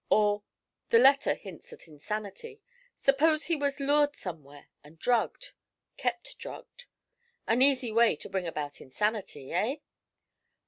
Or, the letter hints at insanity; suppose he was lured somewhere and drugged kept drugged. An easy way to bring about insanity, eh?'